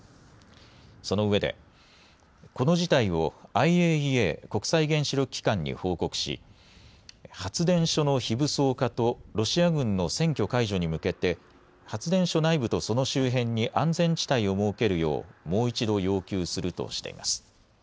そのうえでこの事態をＩＡＥＡ・国際原子力機関に報告し発電所の非武装化とロシア軍の占拠解除に向けて発電所内部とその周辺に安全地帯を設けるようもう一度要求するとしています。